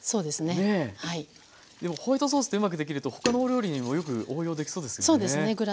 でもホワイトソースってうまくできると他のお料理にもよく応用できそうですよね。